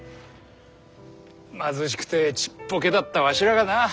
貧しくてちっぽけだったわしらがなあ。